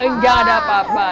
tidak ada apa apa